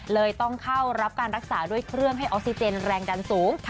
เลยต้องเข้ารับการรักษาด้วยเครื่องให้ออกซิเจนแรงดันสูง